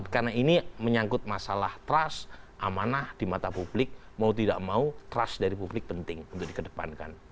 karena ini menyangkut masalah trust amanah di mata publik mau tidak mau trust dari publik penting untuk dikedepankan